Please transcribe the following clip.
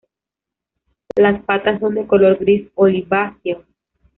Las patas son de color gris oliváceo.